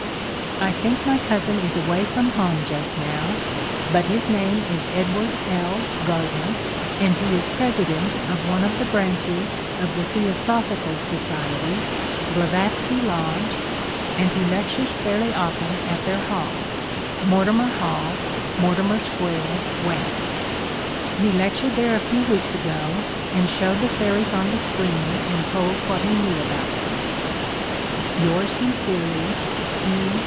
I think my cousin is away from home just now. But his name is Edward L. Gardner, and he is President of one of the branches of the Theosophical Society (Blavatsky Lodge), and he lectures fairly often at their Hall (Mortimer Hall, Mortimer Square, W.). He lectured there a few weeks ago, and showed the fairies on the screen and told what he knew about them. Yours sincerely, E.